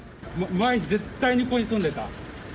前、絶対にここに住んでた。